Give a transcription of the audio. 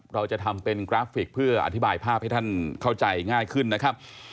เราจะทำเป็นกราฟิกเพื่ออธิบายภาพให้ท่านเข้าใจง่ายขึ้นนะครับ